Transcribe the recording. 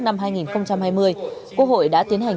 năm hai nghìn hai mươi quốc hội đã tiến hành